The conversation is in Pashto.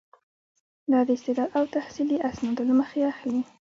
دا د استعداد او تحصیلي اسنادو له مخې اخلي.